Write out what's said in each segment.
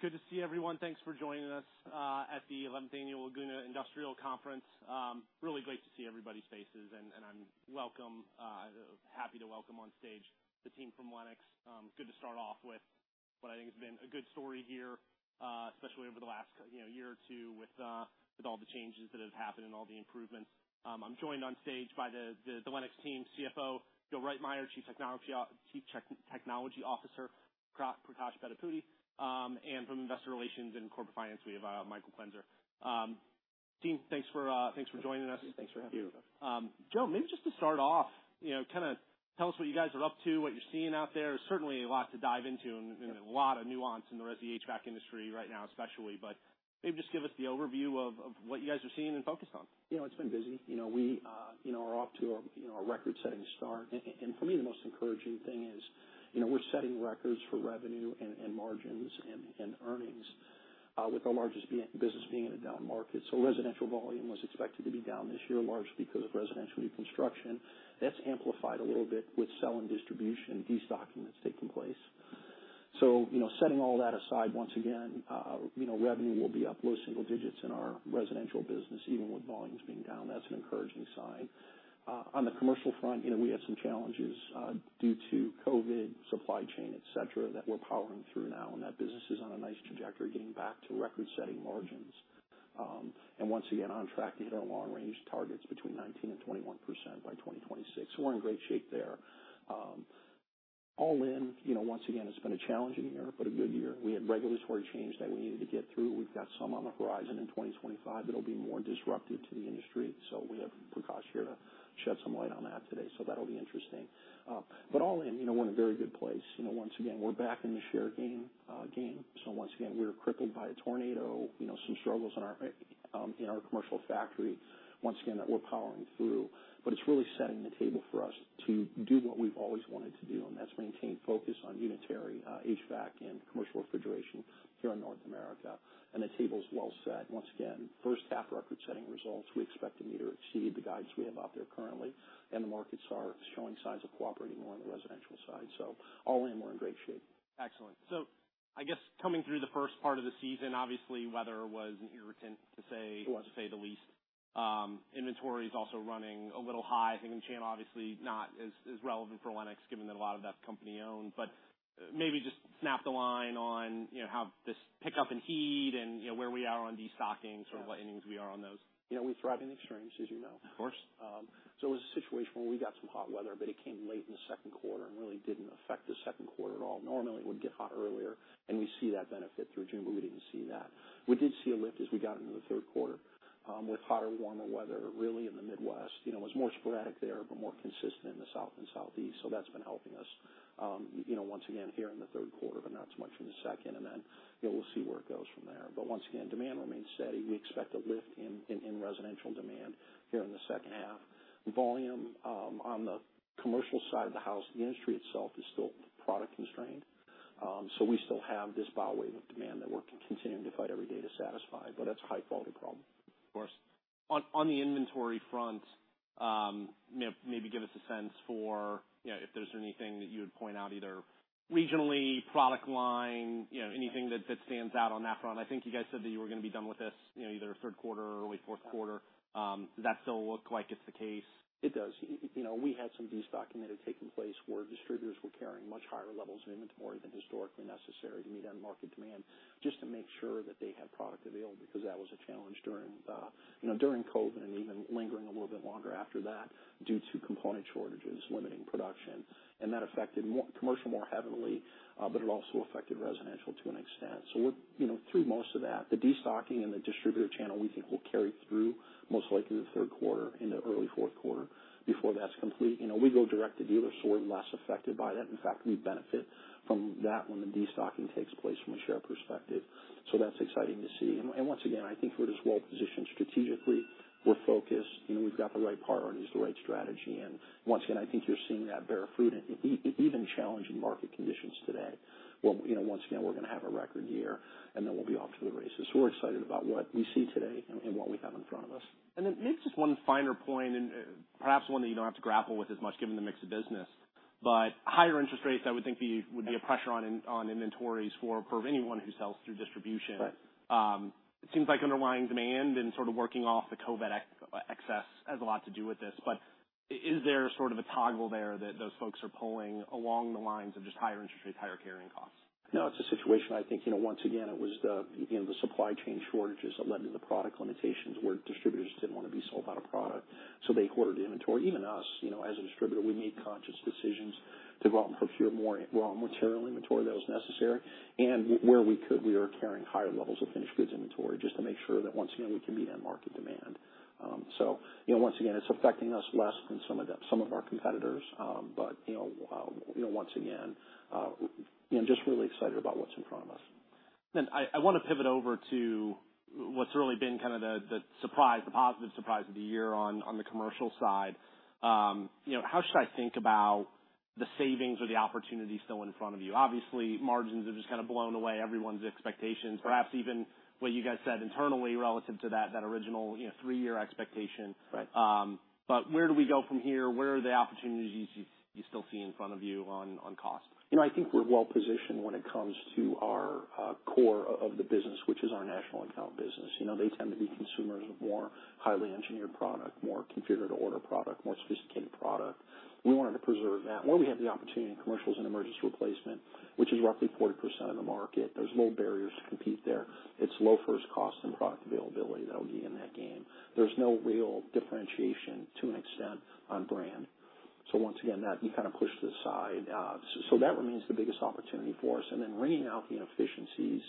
Good to see everyone. Thanks for joining us at the eleventh annual Laguna Industrial Conference. Really great to see everybody's faces, and I'm happy to welcome on stage the team from Lennox. Good to start off with what I think has been a good story here, especially over the last, you know, year or two with all the changes that have happened and all the improvements. I'm joined on stage by the Lennox team CFO, Joe Reitmeier, Chief Technology Officer, Prakash Bedapudi, and from Investor Relations and Corporate Finance, we have Michael Quenzer. Team, thanks for joining us. Thanks for having us. Joe, maybe just to start off, you know, kind of tell us what you guys are up to, what you're seeing out there. Certainly, a lot to dive into, and a lot of nuance in the HVAC industry right now, especially. But maybe just give us the overview of what you guys are seeing and focused on. You know, it's been busy. You know, we, you know, are off to a, you know, a record-setting start. And for me, the most encouraging thing is, you know, we're setting records for revenue and, and margins and, and earnings, with our largest business being in a down market. So residential volume was expected to be down this year, largely because of residential new construction. That's amplified a little bit with sell-in distribution destocking that's taking place. So, you know, setting all that aside, once again, you know, revenue will be up low single digits in our residential business, even with volumes being down. That's an encouraging sign. On the commercial front, you know, we had some challenges, due to COVID, supply chain, et cetera, that we're powering through now, and that business is on a nice trajectory, getting back to record-setting margins. And once again, on track to hit our long-range targets between 19% and 21% by 2026. So we're in great shape there. All in, you know, once again, it's been a challenging year, but a good year. We had regulatory change that we needed to get through. We've got some on the horizon in 2025 that'll be more disruptive to the industry, so we have Prakash here to shed some light on that today. So that'll be interesting. But all in, you know, we're in a very good place. You know, once again, we're back in the share game, game. So once again, we were crippled by a tornado, you know, some struggles in our, in our commercial factory, once again, that we're powering through, but it's really setting the table for us to do what we've always wanted to do, and that's maintain focus on unitary HVAC and commercial refrigeration here in North America. And the table is well set. Once again, first half record-setting results, we expect them to exceed the guidance we have out there currently, and the markets are showing signs of cooperating more on the residential side. So all in, we're in great shape. Excellent. So I guess coming through the first part of the season, obviously, weather was an irritant, to say- It was... to say the least. Inventory is also running a little high. I think in channel, obviously, not as relevant for Lennox, given that a lot of that's company-owned, but maybe just snap the line on, you know, how this pickup in heat and, you know, where we are on destocking, sort of what innings we are on those. You know, we thrive in extremes, as you know. Of course. So it was a situation where we got some hot weather, but it came late in the second quarter and really didn't affect the second quarter at all. Normally, it would get hot earlier, and we see that benefit through June, but we didn't see that. We did see a lift as we got into the third quarter with hotter, warmer weather, really in the Midwest. You know, it was more sporadic there, but more consistent in the South and Southeast, so that's been helping us, you know, once again, here in the third quarter, but not so much in the second, and then, you know, we'll see where it goes from there. But once again, demand remains steady. We expect a lift in residential demand here in the second half. Volume, on the commercial side of the house, the industry itself is still product constrained. So we still have this bow wave of demand that we're continuing to fight every day to satisfy, but that's a high-quality problem. Of course. On the inventory front, maybe give us a sense for, you know, if there's anything that you would point out, either regionally, product line, you know, anything that stands out on that front. I think you guys said that you were gonna be done with this, you know, either third quarter or early fourth quarter. Does that still look like it's the case? It does. You know, we had some destocking that had taken place where distributors were carrying much higher levels of inventory than historically necessary to meet unmet market demand, just to make sure that they had product available, because that was a challenge during the, you know, during COVID and even lingering a little bit longer after that, due to component shortages limiting production. And that affected commercial more heavily, but it also affected residential to an extent. So we're, you know, through most of that. The destocking in the distributor channel, we think will carry through most likely the third quarter into early fourth quarter before that's complete. You know, we go direct to dealer, so we're less affected by that. In fact, we benefit from that when the destocking takes place from a share perspective. So that's exciting to see. Once again, I think we're just well positioned strategically. We're focused. You know, we've got the right priorities, the right strategy, and once again, I think you're seeing that bear fruit in even challenging market conditions today, where, you know, once again, we're gonna have a record year, and then we'll be off to the races. We're excited about what we see today and what we have in front of us. And then maybe just one finer point, and, perhaps one that you don't have to grapple with as much, given the mix of business, but higher interest rates I would think the- Yeah... would be a pressure on inventories for anyone who sells through distribution. Right. It seems like underlying demand and sort of working off the COVID excess has a lot to do with this. But is there sort of a toggle there that those folks are pulling along the lines of just higher interest rates, higher carrying costs? No, it's a situation, I think, you know, once again, it was the, you know, the supply chain shortages that led to the product limitations, where distributors didn't want to be sold out of product, so they hoarded inventory. Even us, you know, as a distributor, we made conscious decisions to go out and procure more, raw material inventory that was necessary. And where we could, we are carrying higher levels of finished goods inventory, just to make sure that, once again, we can meet unmet market demand. So, you know, once again, it's affecting us less than some of the, some of our competitors. But, you know, you know, once again, just really excited about what's in front of us. Then I wanna pivot over to what's really been kind of the surprise, the positive surprise of the year on the commercial side. You know, how should I think about the savings or the opportunities still in front of you? Obviously, margins have just kind of blown away everyone's expectations, perhaps even what you guys said internally relative to that original, you know, three-year expectation. Right. But where do we go from here? Where are the opportunities you still see in front of you on cost? You know, I think we're well positioned when it comes to our core of the business, which is our national account business. You know, they tend to be consumers of more highly engineered product, more configured to order product, more sophisticated product. We wanted to preserve that. Where we have the opportunity in commercial emergency replacement, which is roughly 40% of the market, there's low barriers to compete there. It's low first cost and product availability that will be in that game. There's no real differentiation to an extent on brand. So once again, that you kind of push to the side. So that remains the biggest opportunity for us, and then wringing out the inefficiencies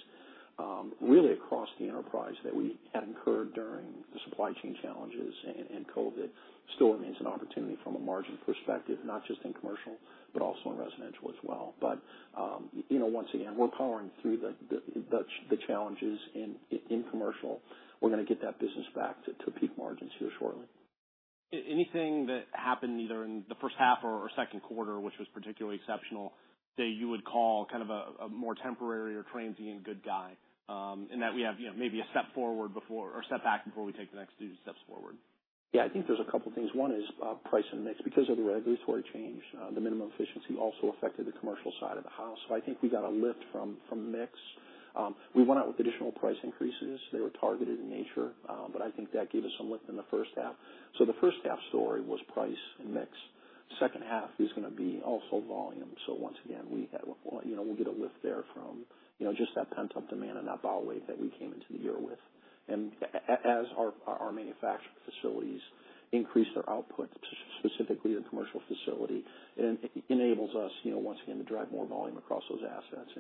really across the enterprise that we had incurred during the supply chain challenges and COVID still remains an opportunity from a margin perspective, not just in commercial, but also in residential as well. But you know, once again, we're powering through the challenges in commercial. We're gonna get that business back to peak margins here shortly. anything that happened either in the first half or second quarter, which was particularly exceptional, that you would call kind of a more temporary or transient good guy, and that we have, you know, maybe a step forward before or a step back before we take the next two steps forward? Yeah, I think there's a couple things. One is price and mix. Because of the regulatory change, the minimum efficiency also affected the commercial side of the house. So I think we got a lift from mix. We went out with additional price increases. They were targeted in nature, but I think that gave us some lift in the first half. So the first half story was price and mix. Second half is gonna be also volume. So once again, we have, you know, we'll get a lift there from, you know, just that pent-up demand and that volume that we came into the year with. And as our manufacturing facilities increase their output, specifically the commercial facility, it enables us, you know, once again, to drive more volume across those assets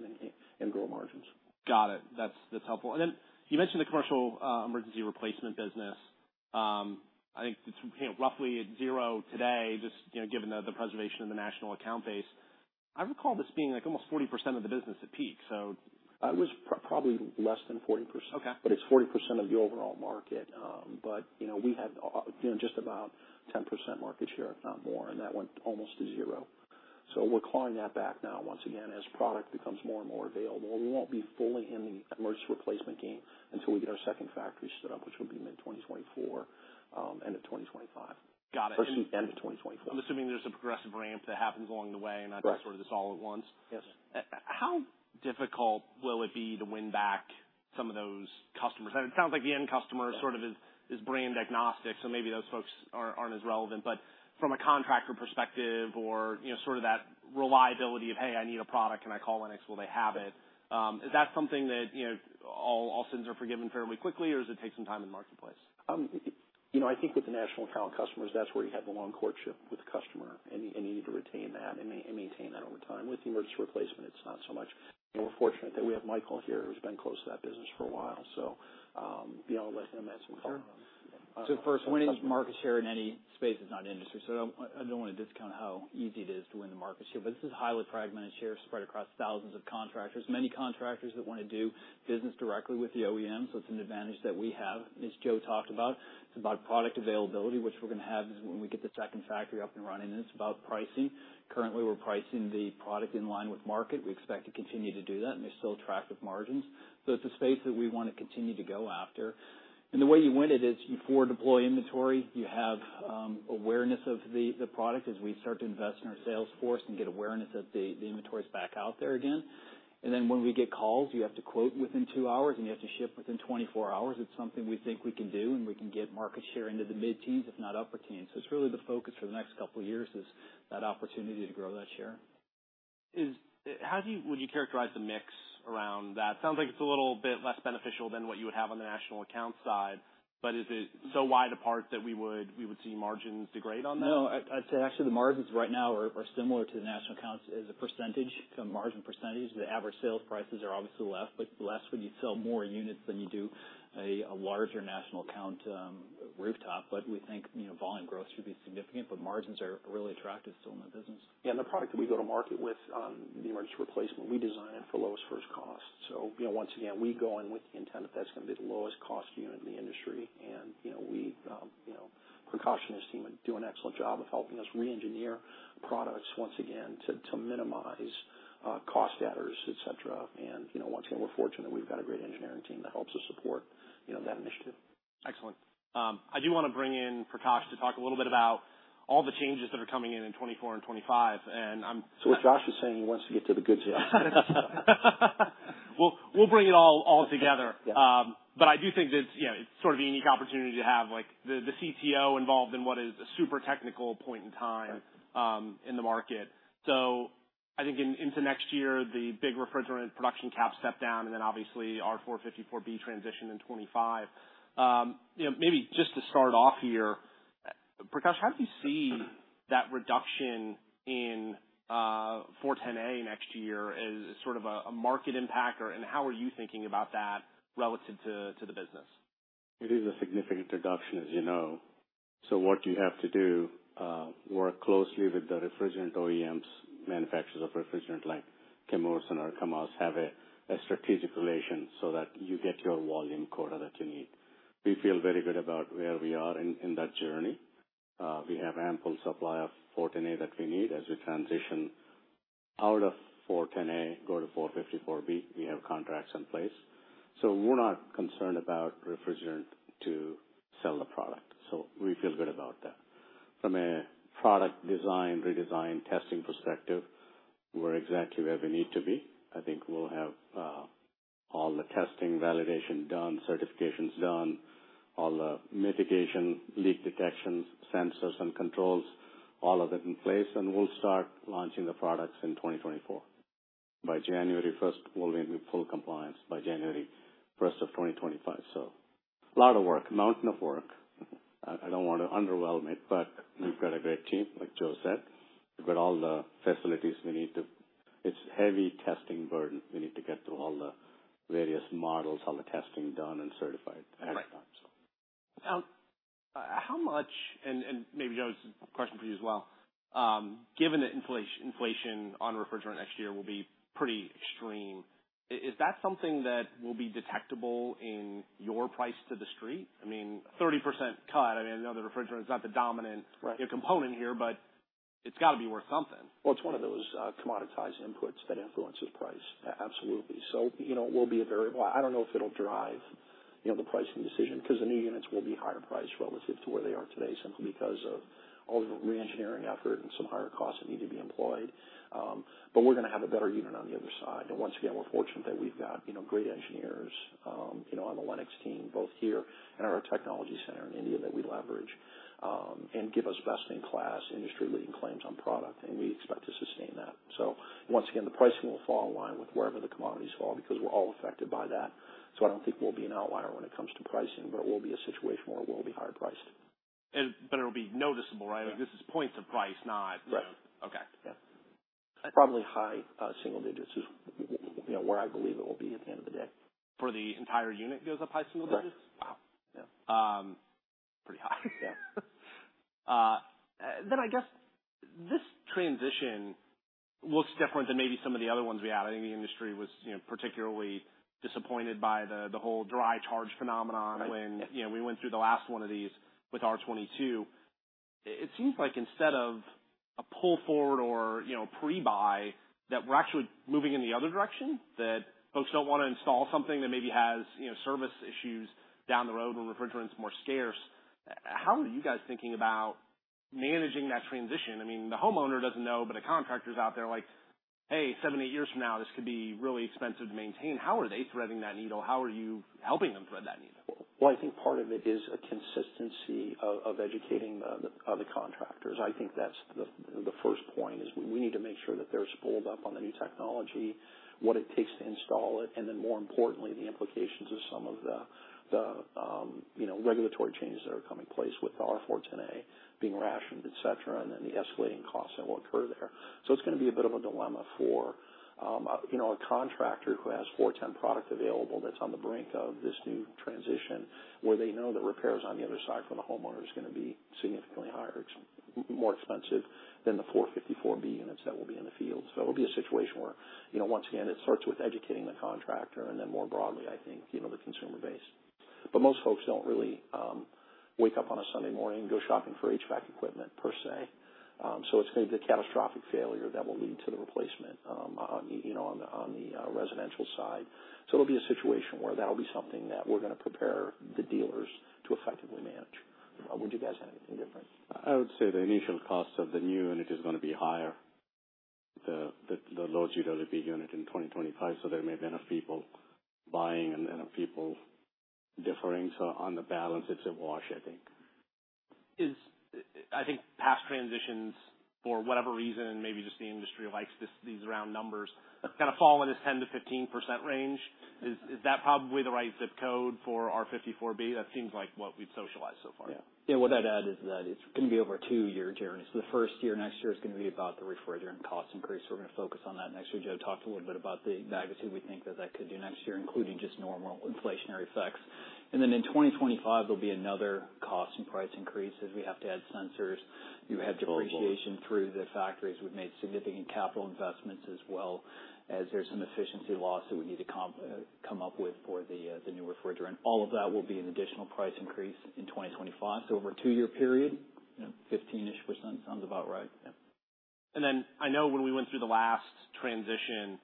and grow margins. Got it. That's, that's helpful. And then you mentioned the commercial emergency replacement business. I think it's, you know, roughly at zero today, just, you know, given the preservation of the national account base. I recall this being, like, almost 40% of the business at peak, so. It was probably less than 40%. Okay. But it's 40% of the overall market. But, you know, we had, you know, just about 10% market share, if not more, and that went almost to zero. So we're clawing that back now, once again, as product becomes more and more available. We won't be fully in the emergency replacement game until we get our second factory stood up, which will be mid-2024, end of 2025. Got it. First end of 2025. I'm assuming there's a progressive ramp that happens along the way, and not- Right. - sort of just all at once. Yes. How difficult will it be to win back some of those customers? It sounds like the end customer sort of is, is brand agnostic, so maybe those folks aren't, aren't as relevant. But from a contractor perspective or, you know, sort of that reliability of, "Hey, I need a product, can I call Lennox? Will they have it?" Is that something that, you know, all, all sins are forgiven fairly quickly, or does it take some time in the marketplace? You know, I think with the national account customers, that's where you have the long courtship with the customer, and you, and you need to retain that and maintain that over time. With the emergency replacement, it's not so much. We're fortunate that we have Michael here, who's been close to that business for a while, so, be able to let him answer more. Sure. So first, winning market share in any space is not easy. So I, I don't want to discount how easy it is to win the market share, but this is highly fragmented share spread across thousands of contractors, many contractors that want to do business directly with the OEM. So it's an advantage that we have, as Joe talked about. It's about product availability, which we're gonna have when we get the second factory up and running, and it's about pricing. Currently, we're pricing the product in line with market. We expect to continue to do that, and they're still attractive margins. So it's a space that we want to continue to go after. The way you win it is you forward deploy inventory, you have awareness of the product as we start to invest in our sales force and get awareness that the inventory's back out there again. And then when we get calls, you have to quote within 2 hours, and you have to ship within 24 hours. It's something we think we can do, and we can get market share into the mid-teens, if not upper teens. So it's really the focus for the next couple of years, is that opportunity to grow that share. How would you characterize the mix around that? Sounds like it's a little bit less beneficial than what you would have on the national account side, but is it so wide apart that we would see margins degrade on that? No, I'd say actually the margins right now are similar to the national accounts as a percentage, to margin percentage. The average sales prices are obviously less, but less when you sell more units than you do a larger national account, rooftop. But we think, you know, volume growth should be significant, but margins are really attractive still in the business. Yeah, the product that we go to market with on the emergency replacement, we design it for lowest first cost. So, you know, once again, we go in with the intent that that's going to be the lowest cost unit in the industry. And, you know, we, you know, procurement team do an excellent job of helping us reengineer products once again to minimize cost adders, et cetera. And, you know, once again, we're fortunate we've got a great engineering team that helps us support, you know, that initiative. Excellent. I do want to bring in Prakash to talk a little bit about all the changes that are coming in in 2024 and 2025, and I'm- What Josh is saying, he wants to get to the good stuff. We'll bring it all together. Yeah. But I do think that, you know, it's sort of a unique opportunity to have, like, the CTO involved in what is a super technical point in time. Right... in the market. So I think into next year, the big refrigerant production cap step down and then obviously R-454B transition in 25. You know, maybe just to start off here, Prakash, how do you see that reduction in R-410A next year as sort of a market impact? Or, and how are you thinking about that relative to the business? It is a significant reduction, as you know. So what you have to do, work closely with the refrigerant OEMs, manufacturers of refrigerant, like Chemours and Arkema, have a strategic relation so that you get your volume quota that you need. We feel very good about where we are in that journey. We have ample supply of R-410A that we need as we transition out of R-410A, go to R-454B, we have contracts in place. So we're not concerned about refrigerant to sell the product, so we feel good about that. From a product design, redesign, testing perspective, we're exactly where we need to be. I think we'll have all the testing, validation done, certifications done, all the mitigation, leak detections, sensors and controls, all of it in place, and we'll start launching the products in 2024. By January 1, we'll be in full compliance by January 1, 2025. So a lot of work, a mountain of work. I, I don't want to underwhelm it, but we've got a great team, like Joe said. We've got all the facilities we need to... It's heavy testing burden. We need to get through all the various models, all the testing done and certified. Right. So. Now, how much, and maybe, Joe, this is a question for you as well. Given that inflation on refrigerant next year will be pretty extreme, is that something that will be detectable in your price to the street? I mean, 30% cut, I mean, I know the refrigerant is not the dominant- Right. -component here, but it's got to be worth something. Well, it's one of those commoditized inputs that influences price. Absolutely. So, you know, it will be a variable. I don't know if it'll drive, you know, the pricing decision, because the new units will be higher priced relative to where they are today, simply because of all the reengineering effort and some higher costs that need to be employed. But we're gonna have a better unit on the other side. And once again, we're fortunate that we've got, you know, great engineers, you know, on the Lennox team, both here and at our technology center in India, that we leverage, and give us best-in-class, industry-leading claims on product, and we expect to sustain that. So once again, the pricing will fall in line with wherever the commodities fall, because we're all affected by that. I don't think we'll be an outlier when it comes to pricing, but it will be a situation where it will be higher priced. But it'll be noticeable, right? Yeah. This is points of price, not- Right. Okay. Yeah. Probably high, single digits is, you know, where I believe it will be at the end of the day. For the entire unit goes up high single digits? Right. Wow! Yeah. Pretty high. Yeah. I guess this transition looks different than maybe some of the other ones we had. I think the industry was, you know, particularly disappointed by the whole dry charge phenomenon. Right. When, you know, we went through the last one of these with R-22. It, it seems like instead of a pull forward or, you know, pre-buy, that we're actually moving in the other direction, that folks don't want to install something that maybe has, you know, service issues down the road when refrigerant is more scarce. How are you guys thinking about managing that transition? I mean, the homeowner doesn't know, but a contractor is out there like: "Hey, 7, 8 years from now, this could be really expensive to maintain." How are they threading that needle? How are you helping them thread that needle? Well, I think part of it is a consistency of educating the contractors. I think that's the first point, is we need to make sure that they're spooled up on the new technology, what it takes to install it, and then more importantly, the implications of some of the you know, regulatory changes that are coming in place with R-410A being rationed, et cetera, and then the escalating costs that will occur there. So it's gonna be a bit of a dilemma for you know, a contractor who has R-410A product available that's on the brink of this new transition, where they know the repairs on the other side from the homeowner is gonna be significantly higher. It's more expensive than the R-454B units that will be in the field. So it'll be a situation where, you know, once again, it starts with educating the contractor, and then more broadly, I think, you know, the consumer base. But most folks don't really wake up on a Sunday morning, and go shopping for HVAC equipment, per se. So it's going to be a catastrophic failure that will lead to the replacement on the residential side. So it'll be a situation where that'll be something that we're gonna prepare the dealers to effectively manage. Would you guys have anything different? I would say the initial cost of the new unit is gonna be higher, the low GWP unit in 2025, so there may be enough people buying and enough people deferring. So on the balance, it's a wash, I think. I think past transitions, for whatever reason, maybe just the industry likes this, these round numbers, it's gonna fall in this 10%-15% range. Is that probably the right ZIP code for R-454B? That seems like what we've socialized so far. Yeah. Yeah. What I'd add is that it's gonna be over a two-year journey. So the first year, next year, is gonna be about the refrigerant cost increase. We're gonna focus on that next year. Joe talked a little bit about the magnitude we think that that could do next year, including just normal inflationary effects. And then in 2025, there'll be another cost and price increase, as we have to add sensors. You add depreciation through the factories. We've made significant capital investments as well as there's some efficiency loss that we need to come up with for the the new refrigerant. All of that will be an additional price increase in 2025. So over a two-year period, you know, 15-ish% sounds about right. Yeah. Then I know when we went through the last transition,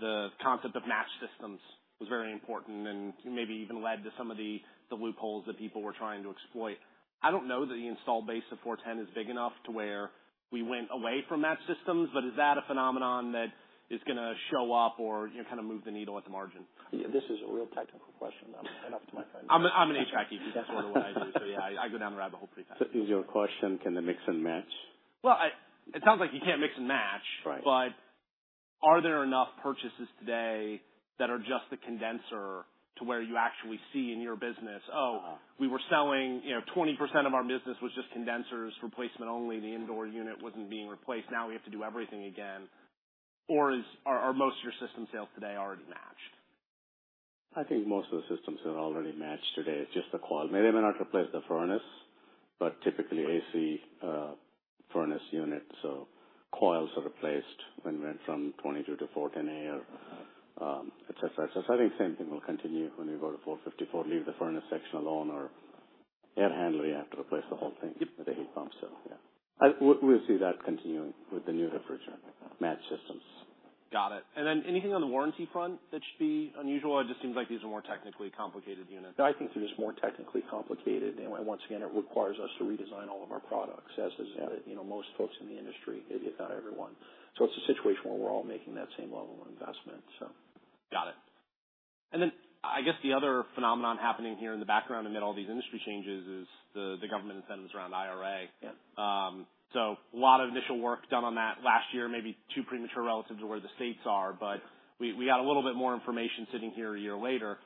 the concept of matched systems was very important and maybe even led to some of the loopholes that people were trying to exploit. I don't know that the installed base of 410A is big enough to where we went away from matched systems, but is that a phenomenon that is gonna show up or, you know, kind of move the needle at the margin? Yeah, this is a real technical question. I'll hand off to my friend. I'm an HVAC expert. That's what I do. So yeah, I go down the rabbit hole pretty fast. So is your question, can they mix and match? Well, it sounds like you can't mix and match. Right. But are there enough purchases today that are just the condenser to where you actually see in your business: "Oh, we were selling, you know, 20% of our business was just condensers, replacement only. The indoor unit wasn't being replaced. Now we have to do everything again" Or are most of your system sales today already matched? I think most of the systems are already matched today. It's just the coil. Maybe they might have to replace the furnace.... but typically AC, furnace unit, so coils are replaced when we went from 22 to 410A or, et cetera. So I think same thing will continue when we go to 454, leave the furnace section alone or air handler, you have to replace the whole thing with the heat pump, so yeah. We'll see that continuing with the new refrigerant match systems. Got it. And then anything on the warranty front that should be unusual, or it just seems like these are more technically complicated units? I think they're just more technically complicated, and once again, it requires us to redesign all of our products, as has added, you know, most folks in the industry, if not everyone. So it's a situation where we're all making that same level of investment, so. Got it. And then, I guess the other phenomenon happening here in the background amid all these industry changes is the government incentives around IRA. Yeah. So a lot of initial work done on that last year, maybe too premature relative to where the states are, but we got a little bit more information sitting here a year later.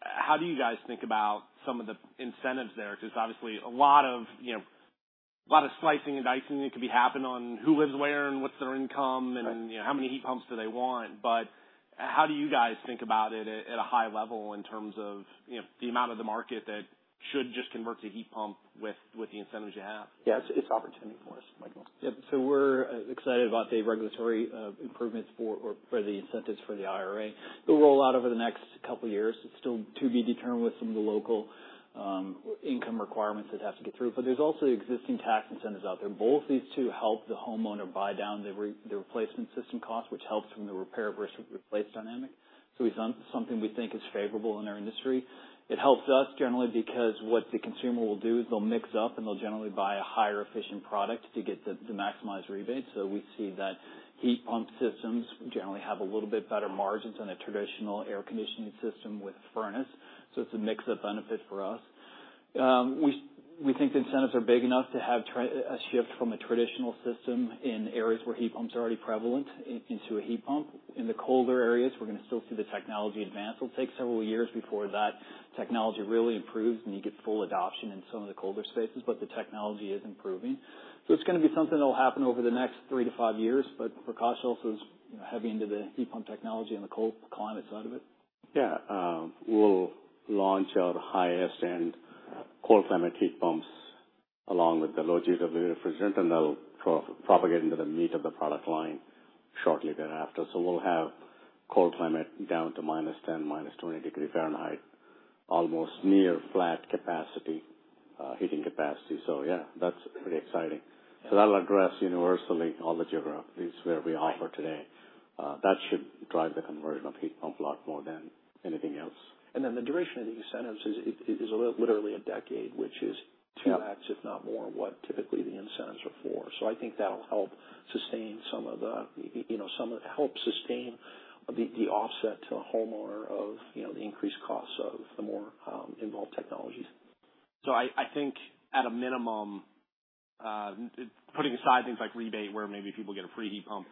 How do you guys think about some of the incentives there? Because obviously, a lot of, you know, a lot of slicing and dicing need to be happening on who lives where and what's their income- Right. and how many heat pumps do they want? But how do you guys think about it at, at a high level in terms of, you know, the amount of the market that should just convert to heat pump with, with the incentives you have? Yes, it's opportunity for us, Michael. Yep. So we're excited about the regulatory improvements for, or for the incentives for the IRA. It'll roll out over the next couple of years. It's still to be determined with some of the local income requirements it has to get through. But there's also existing tax incentives out there. Both these two help the homeowner buy down the replacement system cost, which helps from the repair versus replace dynamic. So it's something we think is favorable in our industry. It helps us generally because what the consumer will do is they'll mix up, and they'll generally buy a higher efficient product to get the, to maximize rebates. So we see that heat pump systems generally have a little bit better margins than a traditional air conditioning system with furnace, so it's a mix of benefit for us. We think the incentives are big enough to have a shift from a traditional system in areas where heat pumps are already prevalent, into a heat pump. In the colder areas, we're gonna still see the technology advance. It'll take several years before that technology really improves, and you get full adoption in some of the colder spaces, but the technology is improving. So it's gonna be something that will happen over the next 3-5 years, but Prakash also is, you know, heavy into the heat pump technology and the cold climate side of it. We'll launch our highest-end cold climate heat pumps, along with the low GWP refrigerant, and that'll propagate into the meat of the product line shortly thereafter. So we'll have cold climate down to minus 10, minus 20 degrees Fahrenheit, almost near flat capacity, heating capacity. So yeah, that's pretty exciting. So that'll address universally all the geographies where we offer today. Right. That should drive the conversion of heat pump a lot more than anything else. Then, the duration of the incentives is literally a decade, which is- Yeah 2x, if not more, what typically the incentives are for. So I think that'll help sustain some of the, you know, the offset to a homeowner of, you know, the increased costs of the more involved technologies. So I think at a minimum, putting aside things like rebate, where maybe people get a free heat pump,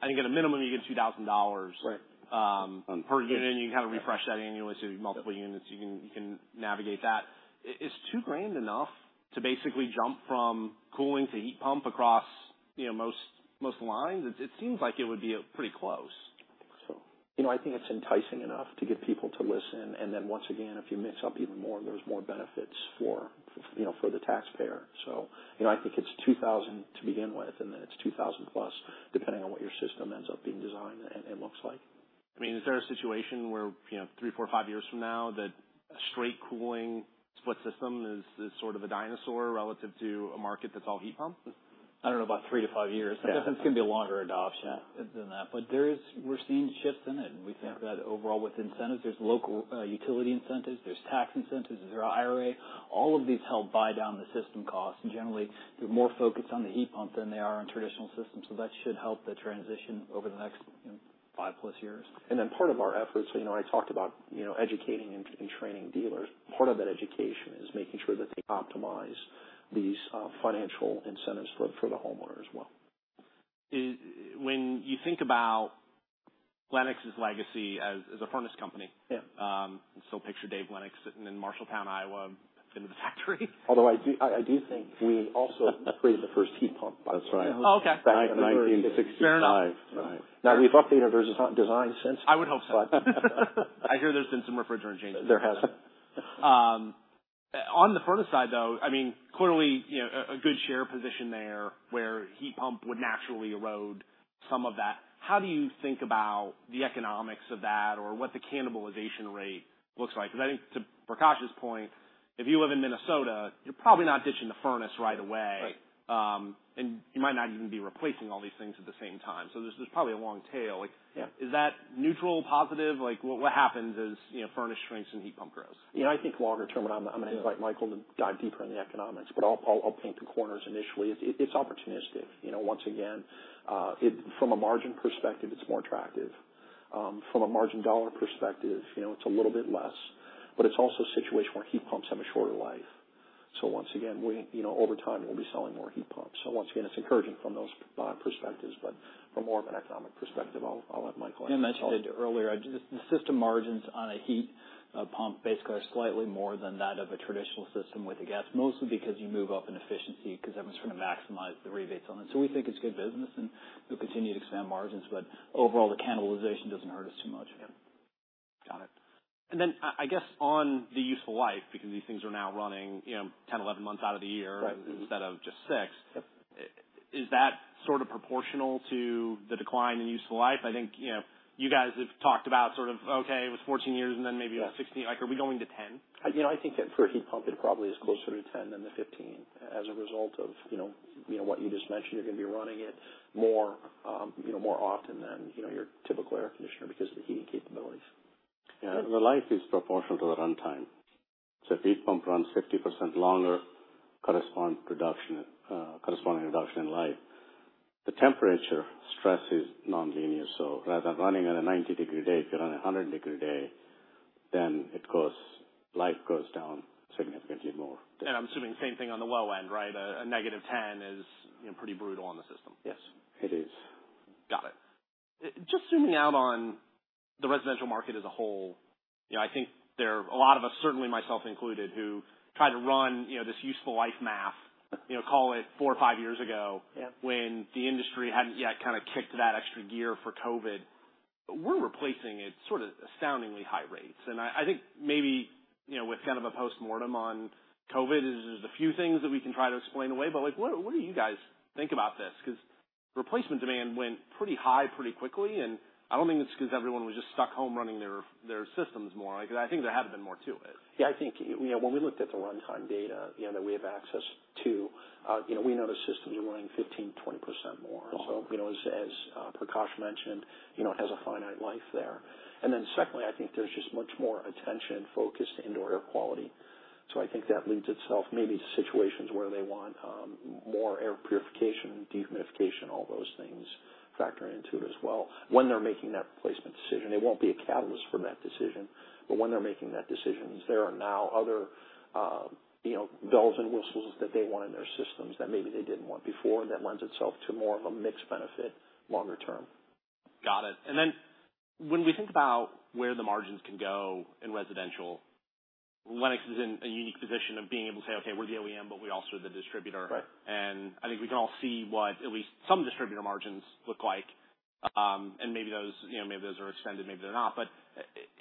I think at a minimum, you get $2,000- Right. Um- Per unit, and you kind of refresh that annually, so multiple units, you can, you can navigate that. Is $2,000 enough to basically jump from cooling to heat pump across, you know, most, most lines? It, it seems like it would be, pretty close. So... You know, I think it's enticing enough to get people to listen, and then once again, if you mix up even more, there's more benefits for, you know, for the taxpayer. So, you know, I think it's $2,000 to begin with, and then it's $2,000 plus, depending on what your system ends up being designed and, and looks like. I mean, is there a situation where, you know, three, four, five years from now, that a straight cooling split system is sort of a dinosaur relative to a market that's all heat pump? I don't know about 3-5 years. Yeah. I think it's going to be a longer adoption- Yeah -than that, but there is-- we're seeing shifts in it, and we think that overall with incentives, there's local, utility incentives, there's tax incentives, there's IRA. All of these help buy down the system costs, and generally, they're more focused on the heat pump than they are on traditional systems, so that should help the transition over the next, you know, 5+ years. Part of our efforts, you know, I talked about, you know, educating and training dealers. Part of that education is making sure that they optimize these financial incentives for the homeowner as well. When you think about Lennox's legacy as a furnace company- Yeah... so picture Dave Lennox sitting in Marshalltown, Iowa, in the factory. Although I do, I do think we also created the first heat pump. That's right. Oh, okay. Back in 1965. Fair enough. Right. Now, we've updated our design since. I would hope so. But- I hear there's been some refrigerant changes. There has been. On the furnace side, though, I mean, clearly, you know, a good share position there where heat pump would naturally erode some of that. How do you think about the economics of that or what the cannibalization rate looks like? Because I think to Prakash's point, if you live in Minnesota, you're probably not ditching the furnace right away. Right. You might not even be replacing all these things at the same time. So there's probably a long tail. Like- Yeah... is that neutral, positive? Like, what, what happens as, you know, furnace shrinks and heat pump grows? You know, I think longer term, and I'm gonna invite Michael to dive deeper in the economics, but I'll paint the corners initially. It's opportunistic. You know, once again, from a margin perspective, it's more attractive. From a margin dollar perspective, you know, it's a little bit less, but it's also a situation where heat pumps have a shorter life. So once again, we you know, over time, we'll be selling more heat pumps. So once again, it's encouraging from those perspectives, but from more of an economic perspective, I'll let Michael answer. I mentioned earlier, the system margins on a heat pump basically are slightly more than that of a traditional system with the gas, mostly because you move up in efficiency, because everyone's trying to maximize the rebates on it. So we think it's good business, and we'll continue to expand margins, but overall, the cannibalization doesn't hurt us too much. Yeah. ...And then, I guess on the useful life, because these things are now running, you know, 10, 11 months out of the year- Right. instead of just six. Yep. Is that sort of proportional to the decline in useful life? I think, you know, you guys have talked about sort of, okay, it was 14 years and then maybe about 16. Like, are we going to 10? You know, I think that for a heat pump, it probably is closer to 10 than the 15 as a result of, you know, you know, what you just mentioned. You're gonna be running it more, you know, more often than, you know, your typical air conditioner because of the heating capabilities. Yeah, the life is proportional to the runtime. So if heat pump runs 50% longer, corresponding production, corresponding reduction in life. The temperature stress is non-linear, so rather than running on a 90-degree day, if you're on a 100-degree day, then it goes, life goes down significantly more. I'm assuming same thing on the low end, right? A negative 10 is, you know, pretty brutal on the system. Yes, it is. Got it. Just zooming out on the residential market as a whole, you know, I think there are a lot of us, certainly myself included, who tried to run, you know, this useful life math, you know, call it 4 or 5 years ago- Yeah -when the industry hadn't yet kind of kicked that extra gear for COVID. We're replacing at sort of astoundingly high rates, and I, I think maybe, you know, with kind of a postmortem on COVID, there's a few things that we can try to explain away, but, like, what, what do you guys think about this? 'Cause replacement demand went pretty high pretty quickly, and I don't think it's 'cause everyone was just stuck home running their, their systems more. I think there had to been more to it. Yeah, I think, you know, when we looked at the runtime data, you know, that we have access to, you know, we know the systems are running 15%-20% more. So, you know, as, as, Prakash mentioned, you know, it has a finite life there. And then secondly, I think there's just much more attention focused to indoor air quality. So I think that lends itself maybe to situations where they want, more air purification, dehumidification, all those things factor into it as well. When they're making that replacement decision, it won't be a catalyst for that decision, but when they're making that decision, there are now other, you know, bells and whistles that they want in their systems that maybe they didn't want before. That lends itself to more of a mixed benefit longer term. Got it. And then when we think about where the margins can go in residential, Lennox is in a unique position of being able to say, "Okay, we're the OEM, but we're also the distributor. Right. I think we can all see what at least some distributor margins look like. Maybe those, you know, maybe those are extended, maybe they're not.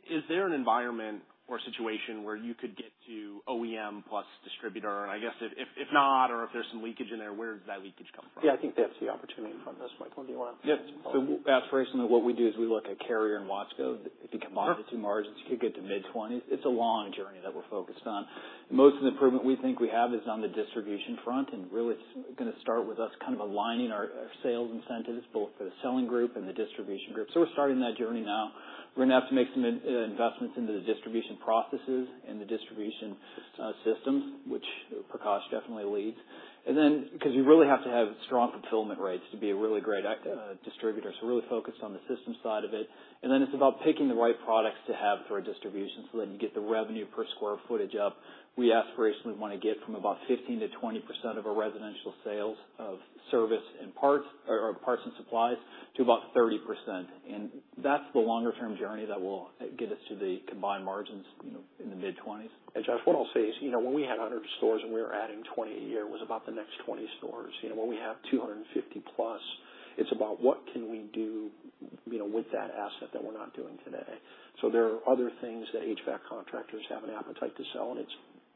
Is there an environment or situation where you could get to OEM plus distributor? I guess if not, or if there's some leakage in there, where does that leakage come from? Yeah, I think that's the opportunity in front of us. Michael, do you want to- Yeah. So aspirationally, what we do is we look at Carrier and WESCO. The commodity margins could get to mid-20s. It's a long journey that we're focused on. Most of the improvement we think we have is on the distribution front, and really it's gonna start with us kind of aligning our sales incentives, both for the selling group and the distribution group. So we're starting that journey now. We're gonna have to make some investments into the distribution processes and the distribution systems, which Prakash definitely leads. And then, because you really have to have strong fulfillment rates to be a really great distributor, so we're really focused on the system side of it. And then it's about picking the right products to have for a distribution, so then you get the revenue per square footage up. We aspirationally want to get from about 15%-20% of our residential sales of service and parts, or parts and supplies, to about 30%. That's the longer-term journey that will get us to the combined margins, you know, in the mid-20s. And Josh, what I'll say is, you know, when we had 100 stores and we were adding 20 a year, it was about the next 20 stores. You know, when we have 250+, it's about what can we do, you know, with that asset that we're not doing today? So there are other things that HVAC contractors have an appetite to sell, and it's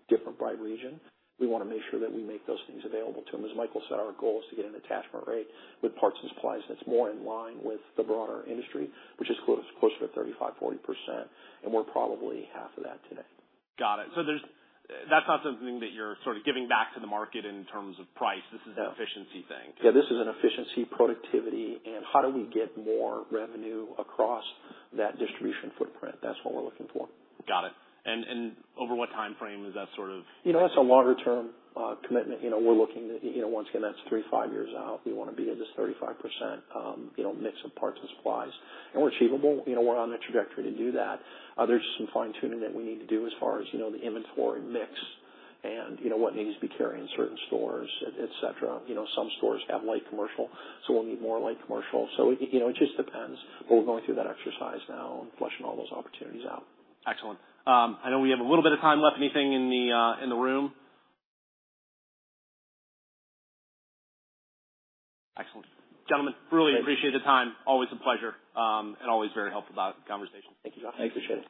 different by region. We want to make sure that we make those things available to them. As Michael said, our goal is to get an attachment rate with parts and supplies that's more in line with the broader industry, which is closer to 35%-40%, and we're probably half of that today. Got it. So there's -- that's not something that you're sort of giving back to the market in terms of price. No. This is an efficiency thing. Yeah, this is an efficiency, productivity, and how do we get more revenue across that distribution footprint? That's what we're looking for. Got it. And over what time frame is that sort of- You know, that's a longer-term commitment. You know, we're looking, you know, once again, that's 3-5 years out. We want to be at this 35%, you know, mix of parts and supplies. And we're achievable. You know, we're on the trajectory to do that. There's some fine-tuning that we need to do as far as, you know, the inventory mix and, you know, what needs to be carried in certain stores, et cetera. You know, some stores have light commercial, so we'll need more light commercial. So, you know, it just depends, but we're going through that exercise now and fleshing all those opportunities out. Excellent. I know we have a little bit of time left. Anything in the room? Excellent. Gentlemen, really appreciate the time. Always a pleasure, and always very helpful conversation. Thank you, Josh. Thank you. Appreciate it.